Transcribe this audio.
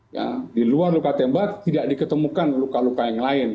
ya di luar luka tembak tidak diketemukan luka luka yang lain